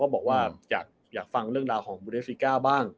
บอกว่าอยากฟังเรื่องราวของบูเดสซิก้าบ้าง